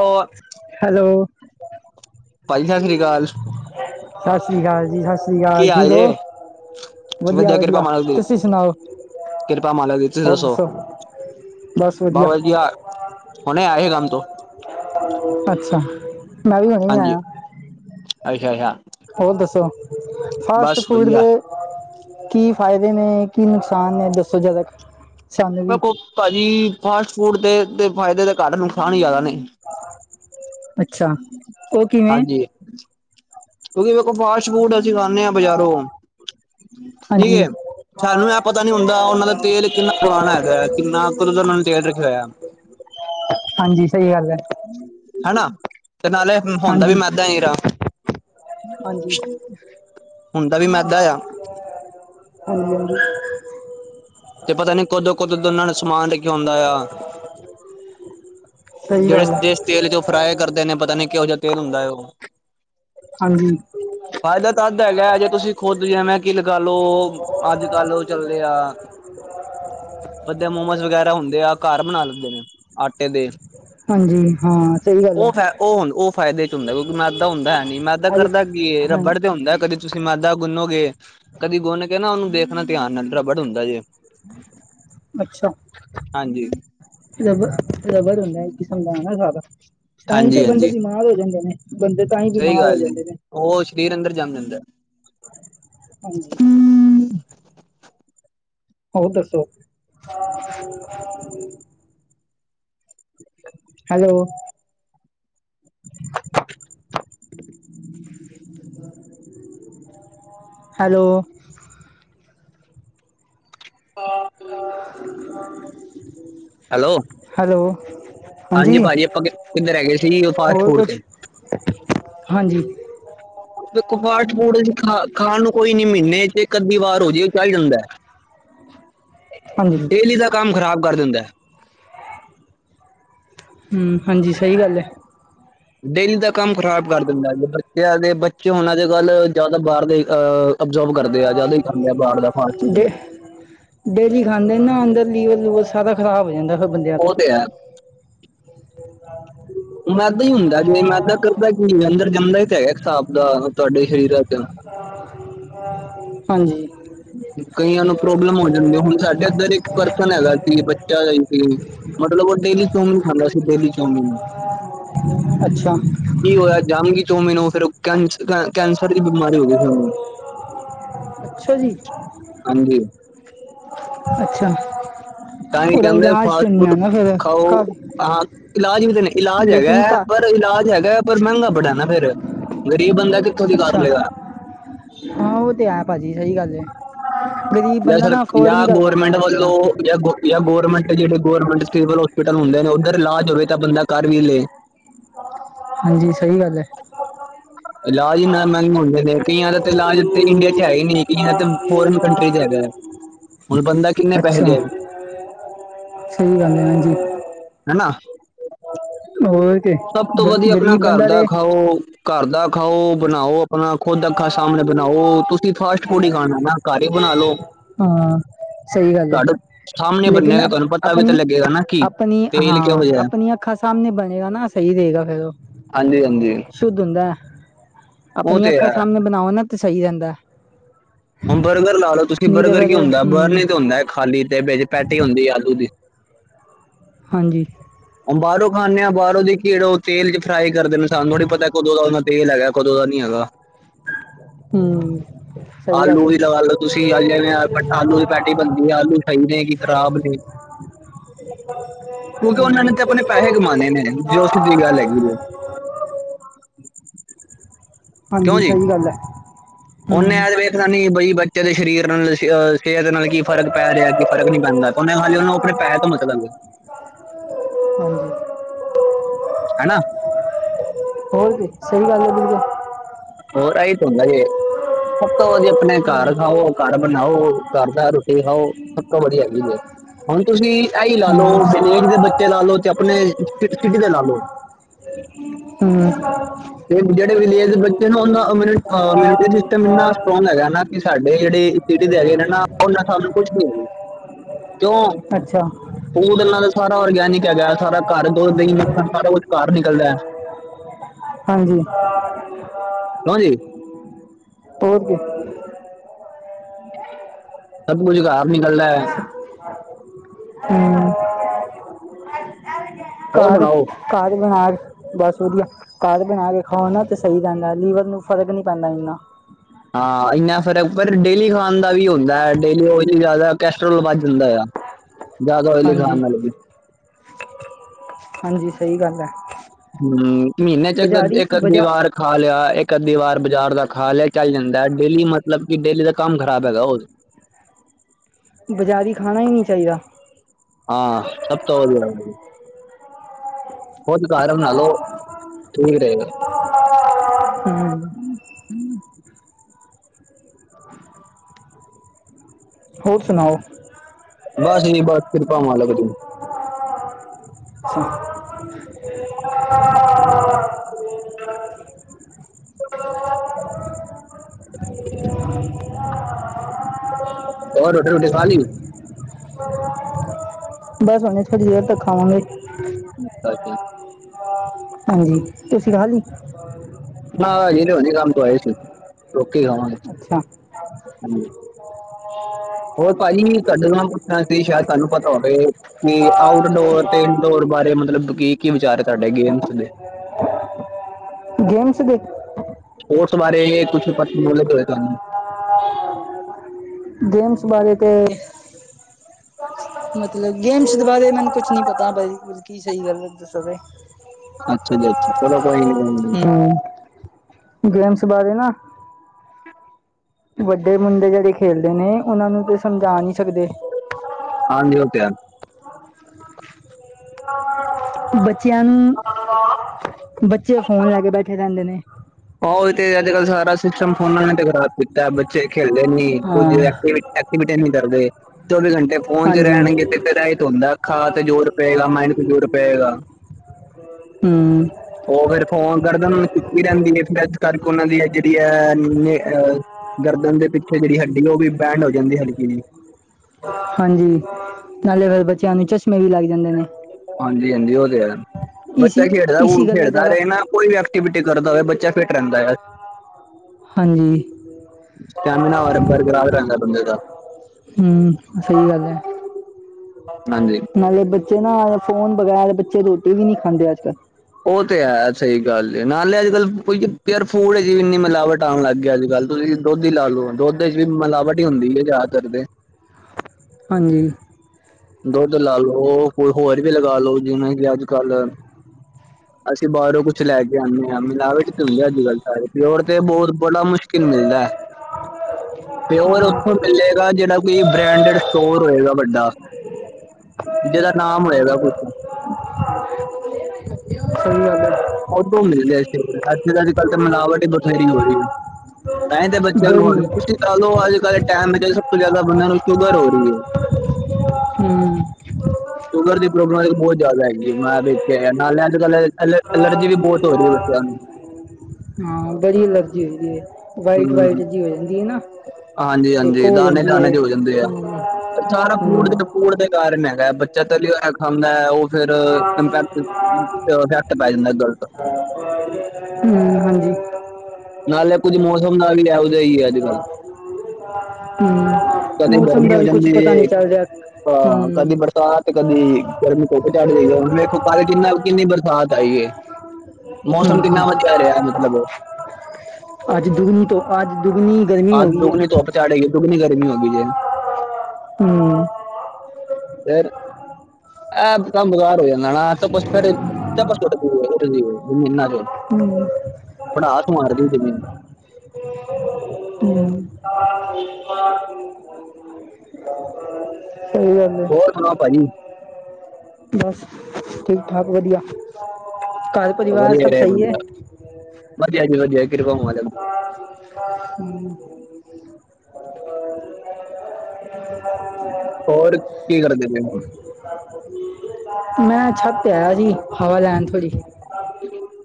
ਉਹ ਹੈਲੋ। ਭਾਜੀ, ਸਤਿ ਸ਼੍ਰੀ ਅਕਾਲ। ਸਤਿ ਸ੍ਰੀ ਅਕਾਲ ਜੀ। ਸਤਿ ਸ਼੍ਰੀ ਅਕਾਲ। ਕੀ ਹਾਲ ਠੀਕ ਹੋ। ਜੇ ਵਧੀਆ, ਕਿਰਪਾ ਵਧੀਆ ਮਾਲਕ ਦੀ ਤੁਸੀਂ ਸੁਣਾਓ? ਕਿਰਪਾ ਮਾਲਕ ਦੀ ਤੁਸੀਂ ਹੋਰ ਦੱਸੋ? ਬਸ ਹੁਣੇ ਐ ਕੰਮ ਤੋਂ ਅੱਛਾ ਮੈਂ ਵੀ ਹੁਣੇ ਹਾਂਜੀ ਆਇਆ। ਅੱਛਾ, ਅੱਛਾ। ਹੋਰ ਦੱਸੋ ਫਾਸਟ ਬਸ ਫੂਡ ਵਧੀਆ ਦੇ ਕੀ ਫਾਇਦੇ ਨੇ? ਕੀ ਨੁਕਸਾਨ ਨੇ? ਦੱਸੋ ਜਿਆਦਾ? ਦੇਖੋ ਭਾਜੀ ਫਾਸਟ ਫੂਡ ਦੇ ਫ਼ਾਇਦੇ ਦੇ ਘਟ ਨੁਕਸਾਨ ਹੀ ਜ਼ਿਆਦਾ ਨੇ। ਅੱਛਾ ਉਹ ਕਿਵੇਂ? ਹਾਂਜੀ ਕਿਉਂਕਿ ਵੇਖੋ ਫਾਸਟ ਫੂਡ ਅਸੀਂ ਖਾਨੇ ਆ ਬਜ਼ਾਰੋਂ ਠੀਕ ਹਾਂਜੀ ਏ। ਸਾਨੂੰ ਇਹ ਪਤਾ ਨੀ ਹੁੰਦਾ ਉਹਨਾਂ ਦਾ ਤੇਲ ਕਿੰਨਾ ਪੁਰਾਣਾ ਹੈਗਾ? ਕਿੰਨਾ ਕਦੋਂ ਦਾ? ਉਹਨਾਂ ਨੇ ਤੇਲ ਰੱਖਿਆ ਹੋਇਆ। ਹਾਂਜੀ, ਸਹੀ ਗੱਲ ਐ। ਹਨਾ ਤੇ ਨਾਲੇ ਹੁਣ ਦਾ ਹਾਂਜੀ ਵੀ ਮੇਦਾ ਨੀਰਾ। ਹਾਂਜੀ ਹੂੰਦਾ ਵੀ ਮੈਦਾ ਆ। ਹਾਂਜੀ ਹਾਂਜੀ। ਤੇ ਪਤਾ ਨੀ ਕਦੋਂ ਕਦੋਂ ਦਾ ਉਹਨਾਂ ਨੇ ਸਮਾਨ ਰੱਖਿਆ ਹੁੰਦਾ ਆ [inaudible] ਸਹੀ ਗੱਲ ਹੈ ਜਿਹੜੇ ਤੇਲ ਚ ਉਹ ਫਰਾਈ ਕਰਦੇ ਨੇ ਪਤਾ ਨੀ ਕਿਹੋ ਜਿਹਾ ਤੇਲ ਹੁੰਦਾ ਹੈ ਉਹ। ਹਾਂਜੀ। ਫਾਇਦਾ ਤਧ ਹੈਗਾ ਜੇ ਤੁਸੀਂ ਖੁਦ ਜਿਵੇਂ ਕਿ ਲਗਾਾਲੋ ਅੱਜ ਕੱਲ ਉਹ ਚੱਲਦੇ ਆ। ਵਧੇ ਮੋਮੋਸ ਵਗੈਰਾ ਹੁੰਦੇ ਆ ਘਰ ਬਣਾ ਲੈਂਦੇ ਨੇ ਆਟੇ ਦੇ। ਹਾਂਜੀ। ਹਾਂ ਸਹੀ ਗੱਲ ਐ। ਉਹ ਫ ਉਹ ਹ ਉਹ ਫਾਇਦੇ ਚ ਹੁੰਦਾ ਕਿਉਂਕਿ ਮੈਦਾ ਹੁੰਦਾ ਹੈ, ਨ ਨਹੀਂ ਮੈਦਾ ਅ ਕਰਦਾ ਕੀ ਹਾਂ ਰਬੜ ਤੇ ਹੁੰਦਾ ਕਦੇ ਤੁਸੀਂ। ਤੁਸੀਂ ਮਾਦਾ ਗੁੰਨੋਗੇ ਕਦੀ ਗੁੰਨ ਕੇ ਨਾ ਉਹਨੂੰ ਦੇਖਣਾ ਧਿਆਨ ਨਾ ਰਾਬੜ ਹੁੰਦਾ ਜੇ ਅੱਛਾ ਹਾਂਜੀ ਰਬਰ ਰਬਰ ਹੁੰਦਾ ਇੱਕ ਕਿਸਮ ਦਾ ਸਦਾ ਤਾਂ ਹੀ ਤੇ ਹਾਂਜੀ ਬੰਦੇ ਹਾਂਜੀ ਬਿਮਾਰ ਹੋ ਜਾਂਦੇ ਨੇ ਬੰਦੇ ਤਾਂ ਹੀ ਸਹੀ ਬਿਮਾਰ ਹੋ ਗੱਲ ਨ ਜਾਂਦੇ ਨੇ, ਉਹ ਸਰੀਰ ਅੰਦਰ ਜੰਮ ਜਾਂਦਾ। ਹਾਂਜੀ ਹੋ ਦੱਸੋ। [inaudible] ਹੈਲੋ। ਹੈਲੋ। ਹਾਂ। Hello hello. ਹਾਂਜੀ, ਭਾਜੀ ਆਪਾਂ ਕਿੱਧਰ ਹੈਗੇ ਸੀ ਉਹ ਫਾਸਟ ਹੋਰ ਫੂਡ ਤੇ। [inaudible] ਕੁਛ ਹਾਂਜੀ, ਦੇਖੋ ਫਾਸਟ ਫੂਡ ਖਾ ਖਾਣ ਨੂੰ ਕੋਈ ਨੀ ਮਹੀਨੇ ਚ ਇਕ ਅੱਧੀ ਵਾਰ ਹੋ ਜੇ ਉਹ ਚਲ ਜਾਂਦਾ। [inaudible] ਹਾਂਜੀ, ਡੇਲੀ ਦਾ ਕੰਮ ਖ਼ਰਾਬ ਕਰ ਦਿੰਦਾ। ਹਮ ਹਾਂਜੀ, ਸਹੀ ਗੱਲ ਹੈ। ਡੇਲੀ ਦਾ ਕੰਮ ਖ਼ਰਾਬ ਕਰ ਦਿੰਦਾ ਬੱਚਿਆਂ ਦੇ ਬੱਚੇ ਹੁਣ ਅੱਜ ਕੱਲ੍ਹ ਜ਼ਿਆਦਾ ਬਾਹਰ ਦੇ ਅਹ। ਅਬਜ਼ੋਵ ਕਰਦੇ ਆ ਜਾਦਾ ਖਾਂਦੇ ਬਾਹਰ ਦਾ ਫਾਸਟ ਡੇ ਫੂਡ। ਡੇਲੀ ਖਾਂਦੇ ਨਾ ਅੰਦਰ ਲੀਵਰ ਲੂਵਰ ਸਾਰਾ ਖਰਾਬ ਹੋ ਜਾਂਦਾ। ਬੰਦਿਆਂ ਦਾ, ਉਹ ਤੇ ਹੈ। [inaudible] ਮੈਦਾ ਹੀ ਹੁੰਦਾ ਜਿਵੇਂ ਮੈਦਾ ਕਰਦਾ ਕੀ ਅੰਦਰ ਜੰਮਦਾ ਹੀ ਤਾਂ ਹੈਗਾ ਹਿਸਬ ਦਾ ਤੁਹਾਡੇ ਸਰੀਰਾਂ ਚ ਹਾਂਜੀ। ਕਈਆਂ ਨੂੰ ਪ੍ਰੋਬਲਮ ਹੋ ਜਾਂਦੀ ਹੁਣ ਸਾਡੇ ਇੱਧਰ ਇੱਕ ਪਰਸਨ ਹੈਗਾ ਸੀ ਬੱਚਾ ਸੀ। ਮਤਲਬ ਓਹ ਡੇਲੀ ਚੋਮਮੀਨ ਖਾਂਦਾ ਸੀ ਡੇਲੀ ਚੌਮਮੀਨ ਅੱਛਾ। ਕੀ ਹੋਇਆ ਜਮਗੀ ਉਹ ਮੈਨੂੰ ਫੇਰ ਕੈਂਸਰ ਦੀ ਬਿਮਾਰੀ ਹੋ ਗਈ ਮੈਂਨੂੰ ਅੱਛਾ ਜੀ। ਹਾਂਜੀ। ਅੱਛਾ। ਤਾਂ ਹੀ ਉਹਦਾ ਕਹਿੰਦੇ ਇਲਾਜ ਫਾਸਟ ਤੇ ਨਹੀਂ ਫੂਡ ਆ ਨਾ ਫਿਰ, ਖਾਓ ਕਾਫੀ ਹਾਂ ਇਲਾਜ ਵੀ ਦੇਣੇ ਇਲਾਜ ਹੈਗਾ ਲੇਕਿਨ ਹੈ ਘਰ ਪਰ ਇਲਾਜ ਹੈਗਾ ਹੈ ਪਰ ਮਹਿੰਗਾ ਬੜਾ ਨਾ ਫੇਰ ਗ਼ਰੀਬ ਬੰਦਾ ਕਿੱਥੋਂ ਦੀ ਕਰ ਅੱਛਾ, ਲਏ ਗਾ। ਹਾਂ! ਉਹ ਤੇ ਐ ਭਾਜੀ ਸਹੀ ਗੱਲ, ਗ਼ਰੀਬ ਜਾਂ ਬੰਦਾ ਸਰ ਨਾ ਅਫੋਰਡ ਨਹੀਂ ਜਾਂ ਕਰ ਪਾਉਂਦਾ ਗੌਰਮੈਂਟ ਇਹ ਚੀਜ਼ਾਂ। ਵੱਲੋਂ ਜਾਂ ਗੌਰਮੈਂਟ ਜਿਹੜੇ ਗੌਰਮੈਂਟ ਸਿਵਲ ਹੋਸਪੀਟਲ ਹੁੰਦੇ ਨੇ ਉੱਧਰ ਇਲਾਜ ਹੋਵੇ ਤਾਂ ਬੰਦਾ ਕਰ ਵੀ ਲਏ। ਹਾਂਜੀ। ਸਹੀ ਗੱਲ ਹੈ। ਇਲਾਜ ਏਨੇ ਮਹਿੰਗੇ ਹੁੰਦੇ ਨੇ ਕਈਆਂ ਦਾ ਇਲਾਜ ਇੰਡੀਆ ਚ ਹੈ ਹੀ ਨਹੀਂ ਕਈਆਂ ਤੇ ਫੋਰਨ ਕੰਟਰੀ ਚ ਹੈਗਾ ਹੈ। ਹੁਣ ਬੰਦਾ ਕਿੰਨੇ ਪੈਸੇ ਅੱਛਾ ਦੇ ਸਹੀ ਗੱਲ ਹੈ ਜੀ। ਹਨਾ ਹੋਰ ਕੇ ਸਭ ਤੋਂ ਵਧੀਆ ਆਪਣਾ ਗ਼ਰੀਬ ਘਰ ਬੰਦਾ ਦਾ ਤੇ ਖਾਓ। ਘਰ ਦਾ ਖਾਓ ਬਣਾਓ ਆਪਣਾ ਖੁਦ ਅੱਖਾਂ ਸਾਹਮਣੇ ਬਣਾਓ ਤੁਸੀਂ ਫਾਸਟ ਫੂਡ ਹੀ ਖਾਣਾ ਨਾ ਘਰ ਹੀ ਬਣਾ ਲੋ ਹਾਂ ਸਹੀ ਗੱਲ ਹੈ ਸਾਹਮਣੇ ਲੇਕਿਨ ਬੰਨੇਗਾ ਤੁਹਾਨੂੰ ਪਤਾ ਵੀ ਤਾਂ ਆਪਣੀ ਲੱਗੇਗਾ ਨਾ ਕਿ ਆਪਣੀ ਤੇਲ ਹਾਂ ਕਿਹੋ ਜਿਹਾ ਆਪਣੀ ਅੱਖਾਂ ਸਮਣੇ ਬਣੇਗਾ ਨਾ ਸਹੀ ਰਹੇਗਾ ਫੇਰ ਉਹ ਹਾਂਜੀ - ਹਾਂਜੀ। ਸ਼ੁੱਧ ਹੁੰਦਾ ਉਹ ਆਪਣੀਆਂ ਤੇ ਅੱਖਾਂ ਹੈ ਸਾਹਮਣੇ ਬਣਾਓ ਨਾ ਤਾਂ ਸਹੀ ਰਹਿੰਦਾ। ਹੁਣ ਬਰਗਰ ਲਾ ਲਓ ਤੁਸੀਂ ਨਹੀਂ ਤੇ ਬਰਗਰ ਕੀ ਫੇਰ ਹੁੰਦਾ ਹਮ ਬਰਨ ਤੇ ਹੁੰਦਾ ਹੈ ਖਾਲੀ ਤੇ ਵਿੱਚ ਪੈਟੀ ਹੁੰਦੀ ਹੈ ਆਲੂ ਦੀ ਹਾਂਜੀ। ਹੁਣ ਬਾਹਰੋਂ ਖਾਂਦੇ ਹਾਂ, ਬਾਹਰੋਂ ਦੀ ਕਿਹੜਾ ਉਹ ਤੇਲ ਚ ਫਰਾਈ ਕਰਦੇ ਨੇ ਸਾਨੂੰ ਨੀ ਪਤਾ ਕਦੋਂ ਦਾ ਉਹਦਾ ਤੇਲ ਹੈਗਾ ਕਦੋਂ ਦਾ ਨੀ ਹੈਗਾ। ਹਮ ਸਹੀ ਗੱਲ ਆਲੂ ਹੈ ਵੀ ਲਗਾ ਲਓ, ਤੁਸੀਂ ਅਜ ਆਲੂ ਦੀ ਪੈਟੀ ਬਣਦੀ ਆਲੂ ਸਹੀ ਨੇ ਕਿ ਖਰਾਬ ਨੇ। ਕਿਉਂਕਿ ਉਹਨਾਂ ਨੇ ਤੇ ਆਪਣੇ ਪੈਸੇ ਕਮਾਣੇ ਨੇ ਜੋ ਸਿੱਧੀ ਗੱਲ ਹੈਗੀ [inaudible] ਹਾਂਜੀ ਕਿਉਂ ਜੀ? ਸਹੀ ਗੱਲ ਹੈ ਉਹਨੇ ਹਮ ਐ ਤੇ ਵੇਖਣਾ ਨਹੀਂ ਬਈ ਬੱਚੇ ਦੇ ਸਰੀਰ ਨਾਲ। ਸਿਹਤ ਨਾਲ ਕੀ ਫ਼ਰਕ ਪੈ ਰਿਹਾ ਕੀ ਫਰਕ ਨਹੀਂ ਪੈਂਦਾ ਉਹਨੇ ਉਹਨੂੰ ਖਾਲੀ ਆਪਣੇ ਪੈਸੇ ਤੋਂ ਮਤਲਬ ਹਮ ਹੈਨਾ। ਹੋਰ ਕੀ, ਸਹੀ ਗੱਲ ਹੈ ਬਿਲਕੁਲ ਹੋਰ, ਆਈ ਤਾਂ ਹੁੰਦਾ ਜੇ। ਸਭ ਤੋਂ ਵਧੀਆ ਆਪਣੇ ਘਰ ਖਾਓ, ਘਰ ਬਣਾਓ, ਘਰ ਦੀ ਰੋਟੀ ਖਾਓ, ਸਭ ਤੋਂ ਵਧੀਆ ਹੈਗੀ ਜੇ। ਹੁਣ ਤੁਸੀਂ ਆਈ ਲਾ ਲੋ, ਹਮ ਵਿਲੇਜ ਦੇ, ਬੱਚੇ ਲਾ ਲੋ ਤੇ ਆਪਣੇ ਸਿਟੀ ਦੇ, ਲਾ ਲੋ। ਹਮ ਜਿਹੜੇ ਵਿਲੇਜ ਦੇ ਜਨ ਉਹਦਾ ਇਮਿ ਇਮਿਊਨਿਟੀ ਸਿਸਟਮ ਇੰਨਾ ਸਟਰੋਂਗ ਹੈਗਾ ਨਾ ਕਿ ਸਾਡੇ ਜਿਹੜੇ ਸਿਟੀ ਦੇ ਹੈਗੇ ਨਾ ਉਹਨਾਂ ਸਾਨੂੰ ਕੁਛ ਦੇ ਹ ਦੋ ਫੂਡਨਾਂ ਦਾ ਸਾਰਾ ਔਰਗੈਨਿਕ ਹੈਗਾ ਸਾਰਾ ਘਰ ਦੁੱਧ ਦੇ ਮੁੱਖਣ ਸਾਰਾ ਕੁਛ ਬਰ ਨਿਕਲਦਾ ਹੈ ਹਾਂਜੀ ਹਾਂਜੀ ਬਹੁਤ ਸਭ ਕੁਝ ਘਰ ਨਿਕਲਦਾ। [unintelligible] ਹਾਂ ਹੋਰ ਘਰ, ਸੁਣਾਓ ਘਰ ਬਿਹਾਰ ਬਸ ਵਧੀਆ, ਘਰ ਬਣਾ ਕੇ ਖਾਓ ਨਾ ਤਾਂ ਸਹੀ ਰਹਿੰਦਾ ਲੀਵਰ ਨੂੰ ਫ਼ਰਕ ਨਹੀਂ ਪੈਂਦਾ ਇੰਨਾ। ਹਾਂ ਇੰਨਾ ਫਰਕ ਪਰ ਡੇਲੀ ਖਾਣ ਦਾ ਵੀ ਹੁੰਦਾ ਹੈ ਡੇਲੀ ਉਹ ਜ਼ਿਆਦਾ ਕੋੈਸਟਰੋਲ ਵੱਧ ਜਾਂਦਾ ਆ। ਜ਼ਿਆਦਾ ਆਇਲੀ ਖਾਣ ਹਾਂਜੀ ਨਾਲ ਵੀ ਹਾਂਜੀ, ਸਹੀ ਗੱਲ ਹੈ। ਹਮ ਮਹੀਨੇ ਚ ਬਜ਼ਾਰੀ ਇੱਕ ਅੱਧੀ ਬਜਾ ਵਾਰ। ਖਾ ਲਿਆ, ਇੱਕ ਅੱਧੀ ਵਾਰ ਬਾਜ਼ਾਰ ਦਾ ਖਾ ਲਿਆ ਚੱਲ ਜਾਂਦਾ ਡੇਲੀ ਮਤਲਬ ਕਿ ਡੇਲੀ ਦਾ ਕੰਮ ਖਰਾਬ ਹੈਗਾ ਉਹ। ਬਜ਼ਾਰੀ, ਖਾਣਾ ਹੀ ਨਹੀਂ ਚਾਹੀਦਾ। ਹਾਂ ਸਭ ਤੋਂ, ਵਧੀਆ ਖੁਦ ਘਰ ਬਣਾ ਲਓ। ਠੀਕ ਰਹੇਗਾ। ਹਮ [inaudible] ਹੋਰ ਸੁਣਾਓ? ਬਸ ਜੀ ਬਸ ਕਿਰਪਾ ਮਾਲਿਕ ਦੀ। [unintelligible] ਹ [inaudible] ਔਰ ਰੋਟੀ ਰੋਟੀ ਖਾ ਲਈ [inaudible] ਬਸ, ਹੁਣ ਇ ਥੋੜੀ ਦੇਰ ਤੱਕ, ਖਾਵਾਂਗੇ। ਅੱਛਾ ਅੱਛਾ। ਹਾਂਜੀ, ਤੁਸੀਂ ਖਾ ਲਈ? ਹਾਂ ਜੀ, ਹੁਣੇ ਉਹੀ ਕੰਮ, ਤੋਂ ਆਏ ਸੀ, ਰੁਕ ਕੇ ਖਾਵਾਂਗੇ। ਅੱਛਾ ਹੋਰ ਭਾਜੀ, ਤੁਹਾਡੇ ਨਾਲ ਪੁੱਛਣਾ ਸੀ ਸ਼ਾਇਦ ਤੁਹਾਨੂੰ ਪਤਾ ਹੋਵੇ? ਕਿ ਆਊਟਡੋਰ ਤੇ ਇਨਡੋਰ ਬਾਰੇ ਮਤਲਬ ਕੀ, ਕੀ ਵਿਚਾਰ ਤੁਹਾਡੇ ਗੇਮਸ ਦੇ। ਗੇਮਸ ਦੇਖ। ਸਪੋਰਟਸ ਬਾਰੇ ਕੁਛ ਪਤਾ ਬੋਲੇ ਹੋਵੇ ਤੁਹਾਨੂੰ ਗੇਮਸ ਬਾਰੇ ਤੇ ਮਤਲਬ ਗੇਮਸ ਦੇ ਬਾਰੇ ਮੈਨੂੰ ਕੁਛ ਨੀ ਪਤਾ ਬ ਕੀ ਸਹੀ ਗੱਲ ਦੱਸੋ ਅੱਛਾ ਜੀ ਅੱਛਈ ਹਮ ਗੇਮਸ ਬਾਰੇ ਨਾ ਵੱਡੇ ਮੁੰਡੇ ਜਿਹੜੇ ਖੇਲਦੇ ਨੇ ਉਹਨਾਂ ਨੂੰ ਤੇ ਸਮਝਾ ਨਹੀ ਸਕਦੇ ਹਾਂਜੀ, ਔ ਪਿਆ। ਹਮ [unintelligible] ਹਾਂਾਂ ਬੱਚਿਆਂ ਨੂੰ, ਬੱਚੇ ਫੋਨ ਲੈ ਕੇ, ਬੈਠੇ ਰਹਿੰਦੇ ਨੇ। ਆ ਤੇ, ਅੱਜ ਕੱਲ ਸਾਰਾ ਸਿਸਟਮ, ਫੋਨਾਂ ਨੇ ਤੇ ਖਰਾਬ ਕੀਤਾ। ਬੱਚੇ ਖੇਲਦੇ ਨੀ, ਕੁਛ ਹਾਂ ਅਕਟੀਵੀ ਬੀਟੀ, ਨਹੀਂ ਕਰਦੇ, ਚੌਵੀ ਘੰਟੇ ਫੋ- ਫੋਨ ਚ ਹਾਂਜੀ ਰਹਿਣਗੇ, ਤੇ ਇਹੀ ਤੇ ਹੁੰਦਾ। ਅੱਖਾਂ ਤੇ ਜ਼ੋਰ ਪਏਗਾ, ਮਾਈਨ ਤੇ ਜ਼ੋਰ ਪਏਗਾ। ਹੂੰ। ਉਹ ਫੇਰ, ਫੋਨ ਕਰਦੇ, ਉਹਨਾਂ ਨੂੰ ਚੁੱਕੀ ਰਹਿੰਦੀ ਹੈ। ਫੇਰ ਇਸ ਕਰਕੇ, ਉਹਨਾਂ ਦੀ ਜਿਹੜੀ ਆ ਅਹ। ਗਰਦਨ ਦੇ ਪਿੱਛੇ, ਜਿਹੜੀ ਹੱਡੀ, ਉਹ ਵੀ ਬੈਂਡ ਹੋ ਜਾਂਦੀ, ਹਲਕੀ ਜੀ। ਹਾਂਜੀ, ਨਾਲੇ ਫੇਰ, ਬੱਚਿਆਂ ਨੂੰ ਚਸ਼ਮੇ ਵੀ ਲੱਗ ਜਾਂਦੇ ਨੇ। ਹਾਂਜੀ- ਹਾਂਜੀ, ਉਹ ਤੇ ਹੈ। ਬੱਚਾ ਇਸੀ ਖੇਡਦਾ, ਇਸੀ ਗੱਲੋਂ ਖੇਡਦਾ ਜ਼ਿਆਦਾ ਰਹੇ ਨਾ। ਕੋਈ ਵੀ ਐਕਟੀਵਿਟੀ, ਕਰਦਾ ਹੋਵੇ। ਬੱਚਾ ਫਿੱਟ ਰਹਿੰਦਾ ਹੈ। ਹਾਂਜੀ। ਸਟੈਮਿਨਾ, ਬਰਕਰਾਰ ਰਹਿੰਦਾ, ਬੰਦੇ ਦਾ। ਹੂੰ ਸਹੀ ਗੱਲ ਹੈ ਹਾਂਜੀ। ਨਾਲੇ ਬੱਚੇ ਨਾ। ਫੋਨ ਵਗੈਰ, ਬੱਚੇ ਰੋਟੀ ਵੀ, ਨਹੀਂ ਖਾਂਦੇ ਅੱਜ ਕੱਲ। ਉਹ ਤੇ ਹੈ, ਸਹੀ ਗੱਲ ਏ। ਨਾਲੇ ਅੱਜ ਕੱਲ ਕੋਈ ਪੇਅਰ ਫੂਡ ਚ, ਇੰਨੀ ਮਿਲਾਵਟ ਆਉਣ ਲੱਗ ਗਈ, ਅੱਜ ਕੱਲ। ਤੁਸੀਂ ਦੁੱਧ ਹੀ ਲਾ ਲੋਓ। ਦੁੱਧ ਚ ਵੀ, ਮਿਲਾਵਟ ਹੀ ਹੁੰਦੀ ਹੈ। ਜ਼ਿਆਦਾਤਰ ਤੇ। ਹਾਂਜੀ। ਦੁੱਧ ਲਾ ਲੋੋ। ਕੋਈ ਹੋਰ, ਵੀ ਲਗਾ ਲੋ, ਜਿਵੇਂ ਕਿ ਅੱਜ ਕੱਲ। ਅਸੀਂ ਬਾਹਰੋਂ, ਕੁਛ ਲੈ ਕੇ ਆਉਂਦੇ ਹਾਂ। ਮਿਲਾਵਟ ਤੇ ਹੁੰਦੇ ਆ ਅੱਜ ਕੱਲ। ਸਾਰੇ ਪਿਓਰ ਤੇ, ਬਹੁਤ ਬੜਾ ਮੁਸ਼ਕਿਲ। ਮੁਸ਼ਕਲ ਮਿਲਦਾ ਏ। ਤੇ ਹੋ ਉੱਥੋਂ। ਮਿਲੇਗਾ ਜਿਹੜਾ ਕੋਈ, ਬ੍ਰੈਂਡਡ ਸਟੋਰ ਹੋਏਗਾ ਵੱਡਾ। ਜਾ, ਜਿਦਾ ਨਾਮ ਹੋਏਗਾ, ਕੁਛ। [unintelligible] ਸ ਅਗਰ [unintelligible] ਟੋ ਮਿਲਜ ਅਜ ਕਲ ਤਾਂ ਮਨੂੰ, ਆਵ ਹੀ ਬ ਉਠਾਈ ਰਹੀ [unintelligible] ਤਾਂਹੀ ਤੇ, ਹੈ ਬੱਚਿਆਂ ਨੂੰ ਹੋ, ਬੜੀ ਰਿ ਤੁਸੀਂ ਚ ਲੋ ਅੱਜ ਕੱਲ ਟੇਮ ਵੀਚ, ਸਭ ਤੋਂ ਜ਼ਿਆਦਾ ਬੰਦਿਆਂ, ਨੂੰ ਸ਼ੂਗਰ ਹੋ ਰਹੀ ਹੈ। ਹੂੰ। ਸ਼ੂਗਰ ਦੀ ਪ੍ਰੋਬਲਮ, ਬਹੁਤ ਜ਼ਿਆਦਾ ਹੈਗੀ ਏ। ਮੈਂ ਵੇਖਿਆ, ਨਾਲੇ ਅੱਜ ਕੱਲ ਇਕੱਲੇ। ਐਲਰਜੀ ਵੀ, ਬਹੁਤ ਹੋ ਰਹੀ ਹੈ। ਬੱਚਿਆਂ ਨੂੰ। ਹੂੰ। ਹਾਂ। ਬੜੀ ਐਲਰਜੀ ਹੁਣੀ ਏ। ਵਾਈਟ, ਵਾਈਟ ਹਮ, ਜਿਹੀ ਹੋ ਜਾਂਦੀ ਹੈ ਨਾ। ਹਾਂਜੀ- ਇੱਕ ਹਾਂਜੀ, ਹੋ ਦਾਨੇ- ਜਾਂਦੀ ਹੈ ਦਾਨੇ, ਜੇ ਹੋ ਜਾਂਦੇ ਆ। ਸਾਰਾ ਫੂਫ ਹਮ ਜ- ਫੂਡ ਦੇ ਕਾਰਨ ਹੈਗਾ। ਬੱਚਾ ਤਲਿਆ ਹੋਇਆ ਖਾਂਦਾ ਉਹ। ਫਿਰ ਇੰਪੈਕਟ ਹਾਂ ਇਫੈਕਟ ਪੈ ਜਾਂਦਾ ਗਲਤ ਹਮ ਹਾਂਜੀ ਨਾਲੇ ਕੁਝ ਮੌਸਮ ਦਾ ਵੀ ਇਹੋ ਜਿਹਾ ਹੀ ਹੈ ਅੱਜ ਕੱਲ ਹਾ ਮੌਸਮ ਦਾ ਵੀ ਕੁਛ ਪਤਾ ਨੀ ਚੱਲ ਰਿਹਾ। ਅ ਹਮ ਕਦੀ ਬਰਸਾਤ ਤੇ ਕਦੀ ਗਰਮੀ ਧੁੱਪ ਚੜ ਗਈ। ਹੈੁਣ ਵੇਖੋ, ਕਾਲ ਨਾਲ ਕਿੰਨੀ ਬਰਸਾਤ ਆਈ ਏ। ਹਮ ਮੌਸਮ ਕਿੰਨਾ ਹਮ ਵਧੀਆ ਰਿਹਾ, ਮਤਲਬ। ਅੱਜ ਦੁ ਨੀ ਤੋਂ। ਅੱਜ ਦੁਗਣੀ ਗਰਮੀ ਅਜ ਹੋ ਗਈ ਦੂਗਣੀ ਹੈ ਧੂਪ ਚਾੜੇਗੀ। ਦੁੱਗਨੀ ਗਰਮੀ ਹੋ ਗਈ ਜੇ। ਹੂੰ। ਫੇਰ, ਆਹ [unintelligible] ਕੰ ਬਕਾਰਰ ਹੋਆ ਨਣਾ ਤਾਂ ਪਸ ਫ [unintelligible] ਹੂੰ। ਪੜਾਸ, ਮਾਰਦੀ ਜ਼ਮੀਨ। ਠੀ [unintelligible] ਹੋਰ ਸੁਣਾ ਭਾਜੀ ਬਸ ਠੀਕ ਠਾਕ ਵਧੀਆ ਘਰ ਪਰਿਵਾਰ ਵਧੀਆ ਸਭ ਰਹੇ ਸਹੀ ਬਧ ਹੈ ਵਧੀਆ ਜ ਵਧੀਆ ਕਿ ਆ ਹਾਂ ਹੋਰ ਕੀ ਕਰਦੇ ਰ ਮੈਂ ਛੱਤ ਤੇ ਆਇਆ ਜੀ ਹਵਾ ਲੈਣ ਥੋੜੀ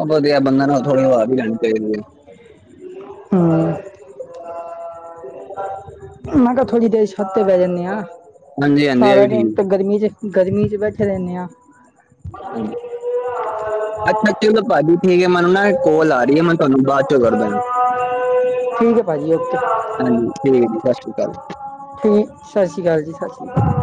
ਉਹ ਵਧੀਆ ਬੰਦਾ ਨੂੰ ਥੋੜੀ ਵਵਾ ਵੀ ਜਾਣੀ ਚਾਹੀਦੀ ਹੈ ਹ ਮੈਂ ਕਿਹਾ ਥੋੜ੍ਹੀ ਦੇਰ ਛੱਤੇ ਪੈ ਜਾਂਦੇ ਆਾਂ ਹੈ ਹਾਂਜੀ ਹਾਂਜੀ ਇਹ ਸਾਰਾ ਵੀ ਦਿਨ ਠੀਕ ਤੇ ਗਰਮੀ ਚ ਗਰਮੀ ਚ ਬੈਠੇ ਰੈਂਦੇ ਹਾਂ ਆਉਂਦੀ ਪਈ ਹ ਭਾਜੀ ਠੀਕ ਹੈ ਮੈਨੂੰ ਨਾ ਕੋਲ ਆ ਰਹੀ ਹੈ ਮੈਂ ਤੁਹਾਨੂੰ ਬਾਅਦ ਚੋਂ ਕਰਦਾ ਠੀਕ ਹੈ ਭਾਅ ਜੀ ਓਕੇ ਹਾਂਜੀ ਠੀਕ ਜੀ ਸਤਿ ਸ਼੍ਰੀ ਅਕਾਲ ਸਤਿ ਸ਼੍ਰੀ ਅਕਾਲ ਜੀ ਸਤਿ ਸ਼੍ਰੀ ਅਕਾਲ